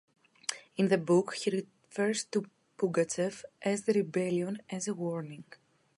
In the book, he refers to Pugachev and the rebellion as a warning.